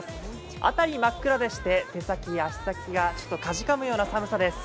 辺り真っ暗でして、手足、足先がかじかむような寒さです。